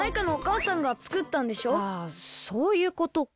あそういうことか。